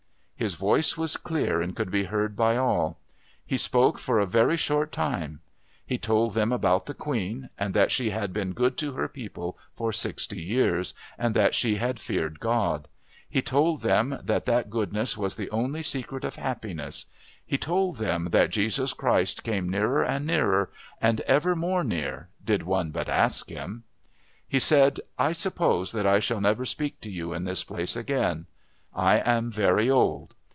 His voice was clear and could be heard by all. He spoke for a very short time. He told them about the Queen, and that she had been good to her people for sixty years, and that she had feared God; he told them that that goodness was the only secret of happiness; he told them that Jesus Christ came nearer and nearer, and ever more near, did one but ask Him. He said, "I suppose that I shall never speak to you in this place again. I am very old.